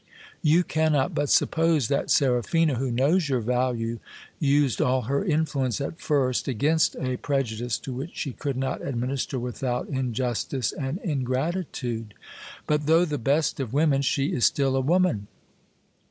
You cannot but suppose that Seraphina, who knows your value, used all her influence at first against a pre judice to which she could not administer without injustice and ingratitude. But though the best of women, she is still a woman.